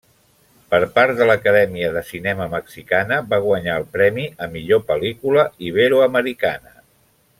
Per part de l'acadèmia de cinema mexicana va guanyar el premi a millor pel·lícula iberoamericana.